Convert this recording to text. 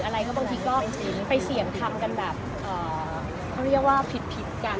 บางทีก็ไปเสี่ยงไปทำพิธีกัน